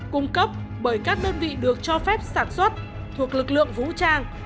cung cấp bởi các đơn vị được cho phép sản xuất thuộc lực lượng vũ trang